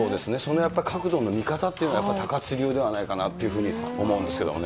やっぱりその角度の見方っていうのは、高津流ではないかなと思うんですけれどもね。